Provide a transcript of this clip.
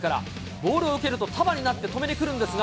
ボールを受けると束になって止めにくるんですが。